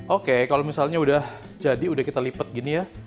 oke kalau misalnya udah jadi udah kita lipat gini ya